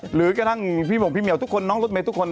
หรือกระทั่งพี่หม่งพี่เหี่ยวทุกคนน้องรถเมย์ทุกคน